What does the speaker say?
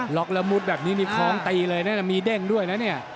หลอกละมุดแบบนี้มีของตีเลยนะมีเด้งด้วยนะเนี่ย